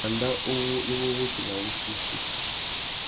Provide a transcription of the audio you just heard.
Wanda uwú i mú wussi nà wuchiô issú.